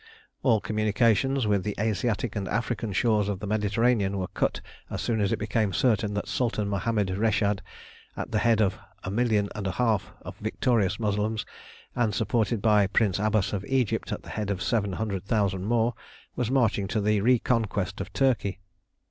All communications with the Asiatic and African shores of the Mediterranean were cut as soon as it became certain that Sultan Mohammed Reshad, at the head of a million and a half of victorious Moslems, and supported by Prince Abbas of Egypt at the head of seven hundred thousand more, was marching to the reconquest of Turkey.